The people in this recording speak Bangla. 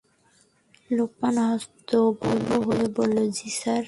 লোকমান হতভম্ব হয়ে বলল, জ্বি স্যার!